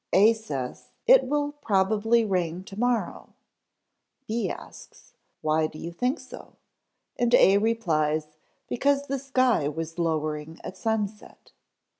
A says, "It will probably rain to morrow." B asks, "Why do you think so?" and A replies, "Because the sky was lowering at sunset."